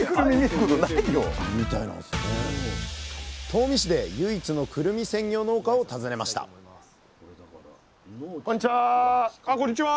東御市で唯一のくるみ専業農家を訪ねましたこんにちは。